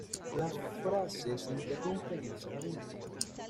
La frase se interrumpe en ese punto.